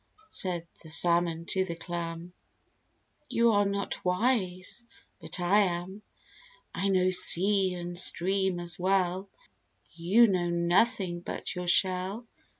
said the Salmon to the Clam; "You are not wise, but I am. I know sea and stream as well, You know nothing but your shell."